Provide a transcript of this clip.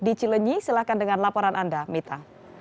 di cilenyi silahkan dengan laporan anda mita